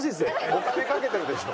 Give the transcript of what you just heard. お金賭けてるでしょ。